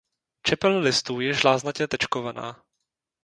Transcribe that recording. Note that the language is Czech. Čepel listů je žláznatě tečkovaná.